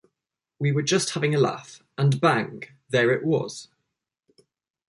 We were just having a laugh, and bang, there it was.